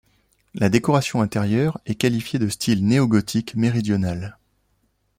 La décoration intérieure est qualifiée de style néogothique méridional.